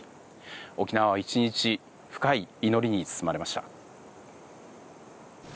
沖縄は１日深い祈りに包まれました。